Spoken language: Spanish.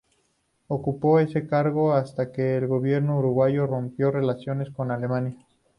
Ocupó ese cargo hasta que el gobierno uruguayo rompió relaciones con Alemania.